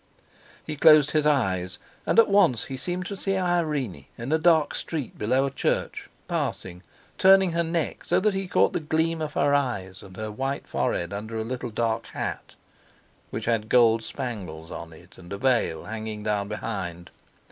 He closed his eyes; and at once he seemed to see Irene, in a dark street below a church—passing, turning her neck so that he caught the gleam of her eyes and her white forehead under a little dark hat, which had gold spangles on it and a veil hanging down behind.